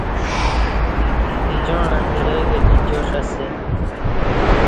گجاعں اندرہ کہ دی جاݜ اسہ